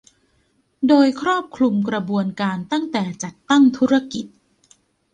โดยครอบคลุมกระบวนการตั้งแต่จัดตั้งธุรกิจ